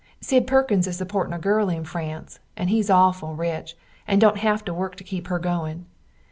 Sid Perkins is suportin a girl in France and hes auful rich, and dont have to work to keep her goin.